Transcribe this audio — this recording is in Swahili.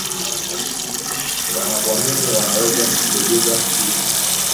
wanapoamini wanaweza kusogeza siku